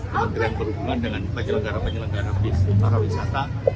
kementerian perhubungan dengan penyelenggara penyelenggara bis para wisata